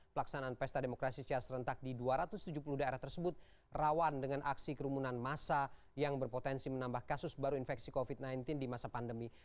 pelaksanaan pesta demokrasi secara serentak di dua ratus tujuh puluh daerah tersebut rawan dengan aksi kerumunan masa yang berpotensi menambah kasus baru infeksi covid sembilan belas di masa pandemi